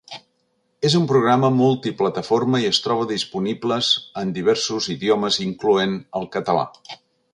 És un programa multiplataforma i es troba disponibles en diversos idiomes incloent el català.